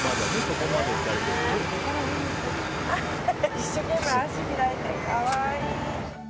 一生懸命足開いて、可愛い。